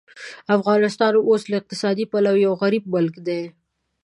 افغانستان اوس له اقتصادي پلوه یو غریب ملک دی.